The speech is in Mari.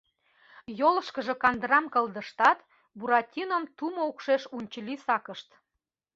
Йолышкыжо кандырам кылдыштат, Буратином тумо укшеш унчыли сакышт...